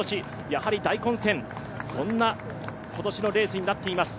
やはり大混戦、そんな今年のレースになっています。